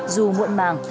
dù muộn bằng